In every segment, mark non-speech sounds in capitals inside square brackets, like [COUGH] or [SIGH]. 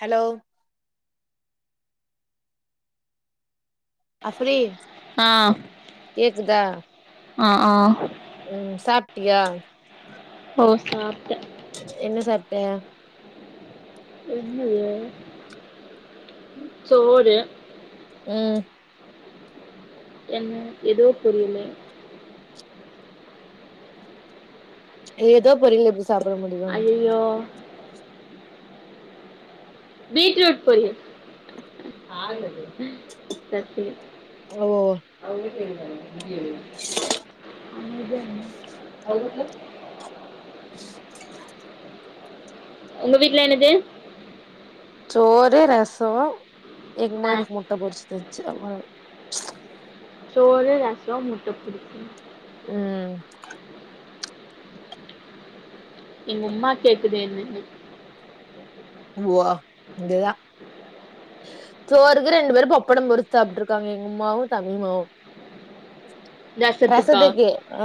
Hello Afreen அ அ ஒ ம் சாப்டியா ஓ சாப்டே என்ன சாப்டே என்னது சோறு ம் என்ன ஏதோ பொறியலு ஏதோ பொரியலு எப்டி சாப்ட முடியு யோ பீட்ரூட் பொரியல் சர் சேரி ஓ ஆ இ அவங்க உம் உங்க வீட்ல என்னது சோறு ரசோ ஆ எங்மா எனக்கு முட்ட பொரிச்சு தந்துச்சு அவ்வ சோறு ரசோ முட்ட பொடிமாஸ் அ எங்கம்மா கேக்குது என்னன்னு ஊவா இங்கதா சோறுக்கு ரெண்டு பேரும் பப்படம் பொருச்சு சாப்ட்டு இருக்காங்க எங்க அம்மாவு தம்பிமாவு ரசத்துக்கா ரசத்துக்கு அ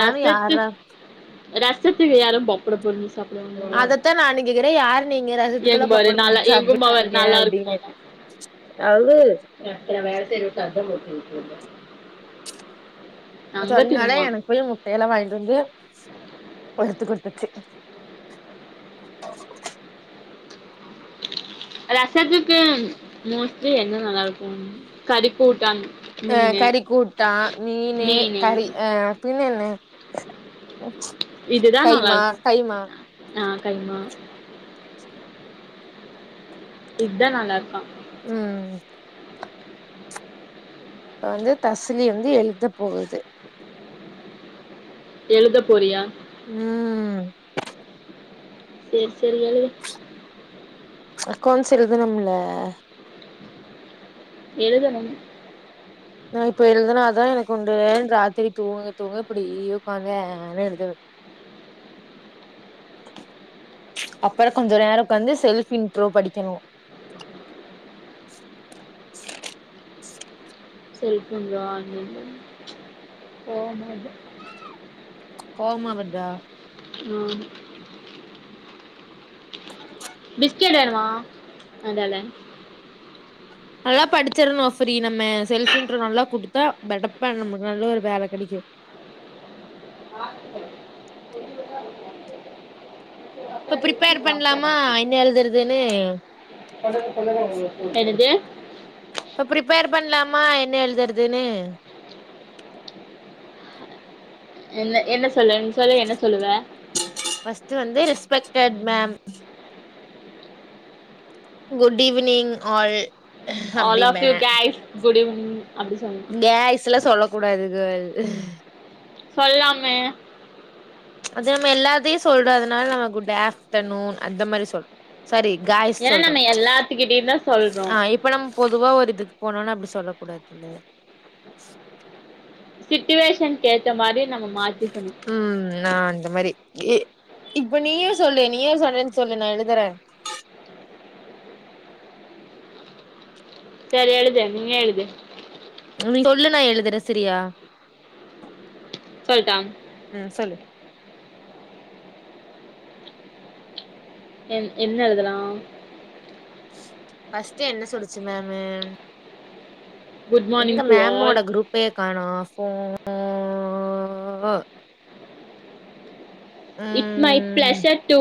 ரசத்து ரசத்துக்கு யாரும் பொப்பட பொரிஞ்சு சாப் அதத்தா நானுங்கேக்கிறே யாரு நீங்க எங்க ரசதுக்குலா பாரு பப்பட நல்லா வெச்சு எங்க உம்மா வேற சாப்பிட்றீங்க நல்லா அப்டின்னு அது [UNINTELLIGIBLE] வேல செய்ற சத்தம் போட்டு விட்டீங்க அங்க சொன்னாலே தின்னுமா எனக்கு [UNINTELLIGIBLE] இலை வாங்கிட்டு வந்து அறுத்து குடுத்துச்சு ரசத்துக்கு மோஸ்ட்லி என்ன நல்லா இருக்கும் கறிக்கூட்டம் ஆ கறிக்கூட்டா மீன்னு மீனு கறி ஆ பின்ன என்ன இதுதா நல்லா கைமா இருக்கு கைமா ஆ கைமா இதா நல்லா இருக்கு ம் இப்ப வந்து தசலி வந்து எழுத போகுது எழுத போறியா ம் செரி செரி எழுது அக்கொன்ஸ் எழுதணும்ல எழுதணும் நா இப்ப எழுதுனா தா எனக்கு உண்டு ராத்திரி தூங்க தூங்க இப்படி உட்காந்து ஆன்னு எழுதுவே அப்புற கொஞ்ச நேர உக்காந்து செல்ஃப் இன்ட்ரோ படிக்கணு செல்போன்ல வாங்கனு போ மாட்டே கோவமா வருதா ம் பிஸ்கெட் வேணுமா நல்லா படிச்சிரணும் ஃப்ரி நம்ம செல்ஃப் இன்ட்ரோ நல்லா குடுத்தா பெடப்பா நம்மளுக்கு நல்ல ஒரு வேலை கிடைக்கு இப்ப ப்ரிப்பேர் பண்லாமா என்ன எழுதுறதுன்னு என்னது இப்ப ப்ரிப்பேர் பண்லாமா என்ன எழுதுறதுன்னு என்ன என்ன சொல்ல நீ சொல்ல என்ன சொல்லுவ ஃபஸ்ட்டு வந்து respected ma'am good evening all all of you guys good even guys எல்லா சொல்லக் கூடாது கேர்ள் சொல்லாமே அது நம்ம எல்லாத்தையு சொல்றதுனால நம்ம குட் ஆஃப்டர்நூன் அந்த மாரி சொல்னு சாரி காய்ஸ் ஏன்னா சொல்ட்டோ நம்ம எல்லாத்துக்கிட்டயு தா சொல்றோ ஆ இப் இப்ப நம்ம பொதுவா ஒரு இதுக்கு போனும்னா அப்படி சொல்ல கூடாது இல்லையா சிட்டுவேஷன் கேத்த மாரி நம்ம மாத்திக்கணு ம் நா இந்த மாரி இப்ப நீயே சொல்லே நியூ இயர் சண்டேன்னு சொல்லே நா எழுதறே சேரி எழுது நீயே எழுது நீ சொல்லு நா எழுதறே சரியா சொல்ட்டா ம் சொல்லு என் என்னெழுதலா பஸ்ட்டு என்ன சொல்ச்சு மேம்மு குட் எங்க மார்னிங் டு மேம்மோட ஆல் குரூப்பயே காணோ போ இட்ஸ் மை ம் ப்ளசர் டூ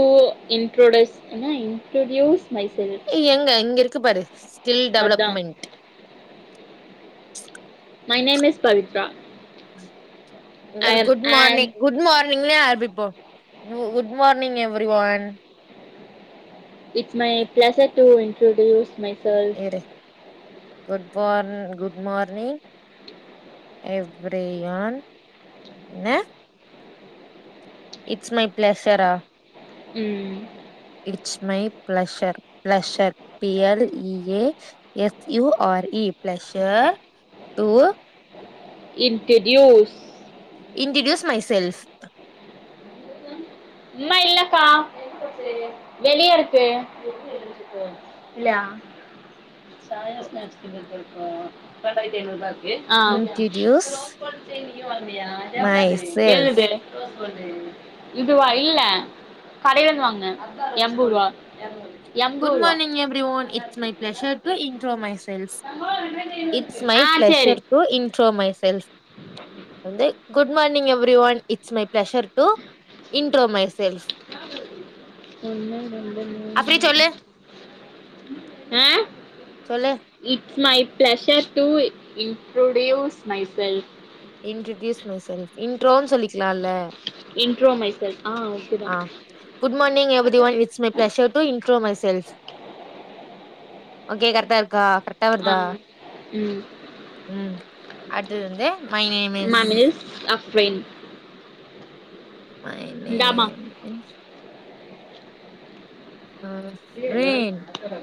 இன்ரோடூஸ்னா இன்ட்ரொடடியூஸ் மை செல்ப் ஏ எங்க இங்கே இருக்கு பாரு ஸ்கில் அதா development my name is Pavithra I am good and morning good மார்னிங்லே ஆரம்பிப்போ good morning everyone it's my pleasure to introduce myself good good morn good morning everyone என்ன இட்ஸ் மை ப்ளசரா ம் it's my pleasure pleasure P L E A S U R E pleasure to introduce introduce myself அம்மா இல்லப்பா வெளியருக்கு இல்லயா [UNINTELLIGIBLE] ஹ introduce my [UNINTELLIGIBLE] self எழுது இதுவா இல்ல கடைலந்து வாங்னே எம்புர்வா good morning everyone it's my எல்லாமே பிளெஷர் டு இருக்கு. இன்ட்ரோ மை செல்ஸ் தங்கம் ரெண்டாயிரத்தி ஐநூறு இட்ஸ் இருக்கு மை ஆ சரி pleasure to intro myself வந்து good morning everyone it's my pleasure to intro myself ஒன்னு ரெண்டு மூணு அப்படி சொல்லு ஆ சொல்லு it's my pleasure to introduce myself introduce myself இன்ட்ரோனு சொல்லிக்கலால்ல இன்ட்ரோ மை செல்ஃப் ஆ ஓகே தா good morning everyone it's my pleasure to intro myself okay கரெக்டா இருக்கா கரெக்டா ஆ வர்தா ம் ம் அடுத்தது வந்து my name is [UNINTELLIGIBLE] my name is ரேன்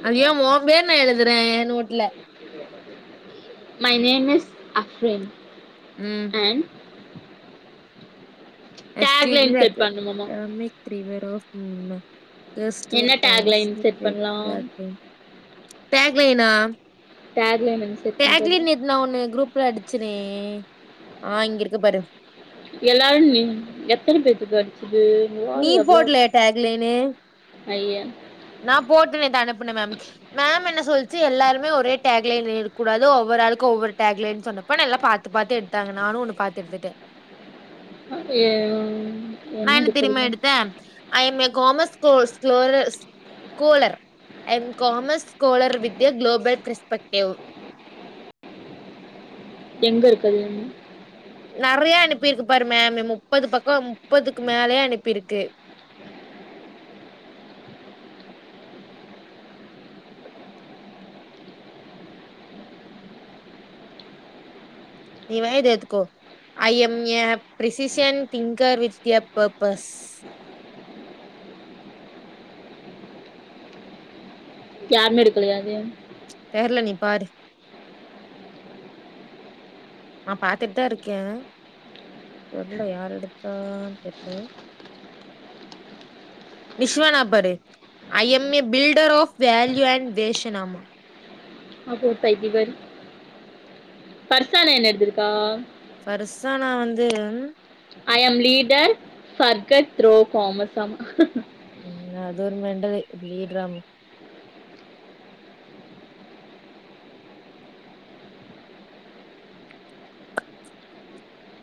அதுயே ஓம் பேர்ன்னா எழுதுறே ஏ நோட்ல மை நேம் இஸ் அஃப்ரின் ம் ஆண்ட் எஸ்டே டேக்லைன் செட் பண்ணுமாமா என்ன டேக்லைன் செட் பண்ணலாம் [UNINTELLIGIBLE] [UNINTELLIGIBLE] டேக்லைனா டேக்லைன் [UNINTELLIGIBLE] டேக்லைன் நேத்து நா ஒன்னு ஒண்ணு குரூப்ல அடிச்சனே ஆ இங்க இருக்கு பாரு எல்லாரு நீ எத்தன பேத்துக்கு அடிச்சுது நீ வாரி எவ்வளோ போடல டேக்லேனு ஐயா நா போட்டு நேத்து அனுப்புனே மேம்கு மேம் என்ன சொல்ச்சு எல்லாருமே ஒரே டேக் லைன் எடுக்க கூடாது ஒவ்வொரு ஆளுக்கு ஒவ்வொரு டேக் லைன்னனு சொன்ன இப்ப நல்லா பாத்து பாத்து எடுத்தாங்க நானு ஒன்னு பாத்து எடுத்துட்டே ஓகே என்ன எடுக்ரது then I am a commerce scholars scholars scholar and commerce scholar with global perspective [UNINTELLIGIBLE] நெறைய அனுப்பிருக்கு பாரு மேமு முப்பது பக்கோ முப்பதுக்கு மேலே அனுப்பிருக்கு நீ வேணா இது எத்துக்கோ I am a precision thinker with a purpose யாருமே எடுக்கலையா அது தெர்ல நீ பாரு நா பாத்துட்டு தா இருக்கே தெர்ல யார் எடுத்தான்னு தெர்ல நிஷ்வானா பாரு I am a builder of value and வேஷ நாமா அ கூ பைத்தீபர் பர்சான என்ன எடுத்திருக்கா ஃபருசானா வந்து I am leader burger throw கோமஸ்சா மா ம் அது ஒரு மெண்டலு பீல்ட்ராம்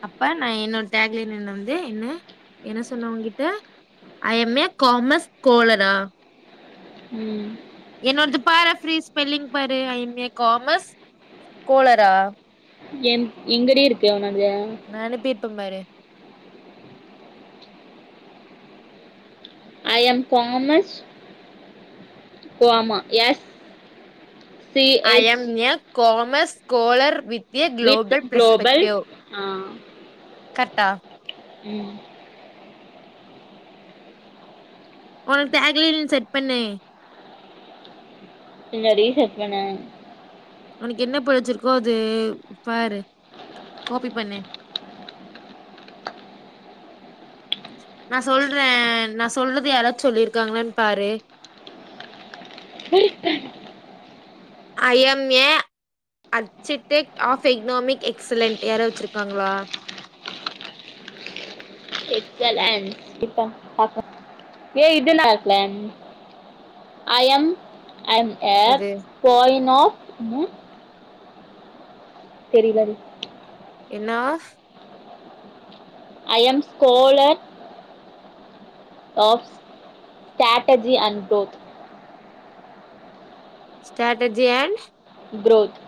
அப்பா நா என்னொட டேக்லைனு வந்து என்ன என்ன சொன்னே உங்க்கிட்ட ஐ எம் ய காமர்ஸ் கோலரா ம் என்னோடது பாரு ஃப்ரீ ஸ்பெல்லிங் பாரு ஐம் ய காமர்ஸ் கோளரா என் எங்கடி இருக்கு ஒனது நா அனுப்பி இருப்ப பாரு ஐ எம் கோமஸ் கோ ஆமா S I CH am a commerce scholar with a global perspective ஆ கர்ட்டா ம் ஒனக்கு டேக்லைனு செட் பண்ணு என்னடி செட் பண்ண ஒனக்கு என்ன புடிச்சிருக்கோ அது பாரு காபி பண்ணு நான் சொல்றே நா சொல்றத யாராச்சு சொல்லியிருக்காங்களன்னு பாரு [INAUDIBLE] I am a architect of economic excellent யார வச்சுருக்காங்களா [UNINTELLIGIBLE] ஏ இதுல்லா [UNINTELLIGIBLE] ஐ எம் ஐம் ஏ இது கோ இன் ஆப் தெரிலடி என்னா I am scholar of strategy and growth strategy and growth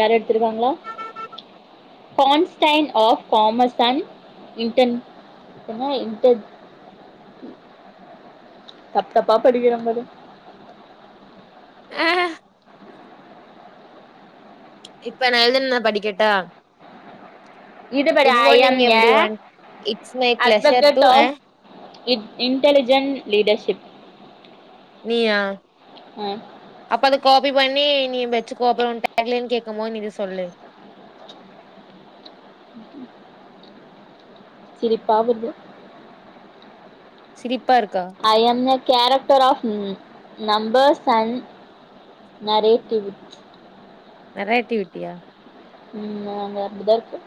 யார எடுத்துருவாங்ளா கான்ஸ்டைன் ஆஃப் காமர்ஸ் அண்ட் இன்டென் என்னா இன்டட் தப்ப தப்பா படிக்கிறே பாரு ஆ இப்ப நான் எழுதுன்ன படிக்கட்டா இது பாரு good I am morning A everyone it's my pleasure advocate to of it intelligent leadership நீயா ம் அப்ப அது காப்பி பண்ணி நீ வெச்சிகோ அப்ப நீ டேக் லைன் கேக்கும் போது நீ சொல்லு சிரிப்பா வருது சிரிப்பா இருக்கா I am a character of numbers and நறைய கேள்வி இச் நறை ஆக்டிவிட்டியா ம் அங்க அப்டிதா இருக்கு